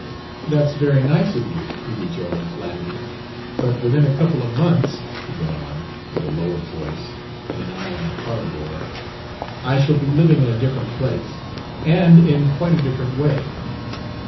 "That's very nice of you," he rejoined, flattered. "But within a couple of months," he went on, with a lowered voice and an eye on the parlor door, "I shall be living in a different place and in quite a different way.